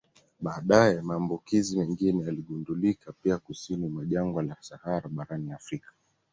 Baadaye maambukizi mengine yaligundulika pia kusini mwa jangwa la Sahara barani Afrika